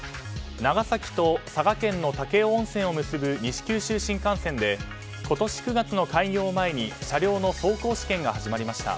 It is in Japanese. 長崎と佐賀県の武雄温泉を結ぶ西九州新幹線で今年９月の開業を前に車両の走行試験が始まりました。